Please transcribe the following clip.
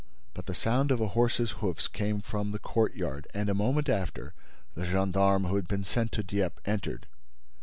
But the sound of a horse's hoofs came from the courtyard and, a moment after, the gendarme who had been sent to Dieppe entered.